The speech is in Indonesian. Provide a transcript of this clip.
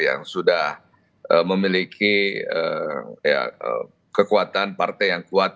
yang sudah memiliki kekuatan partai yang kuat